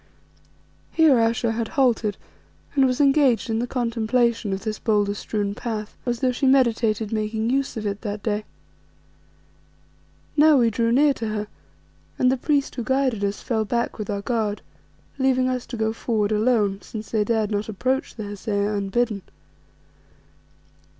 Here Ayesha had halted and was engaged in the contemplation of this boulder strewn path, as though she meditated making use of it that day. Now we drew near to her, and the priest who guided us fell back with our guard, leaving us to go forward alone, since they dared not approach the Hesea unbidden.